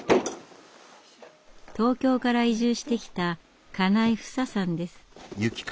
東京から移住してきた金井ふささんです。